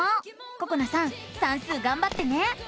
ここなさん算数がんばってね！